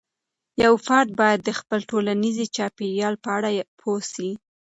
یو فرد باید د خپل ټولنيزې چاپیریال په اړه پوه سي.